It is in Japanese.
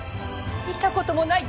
見たこともない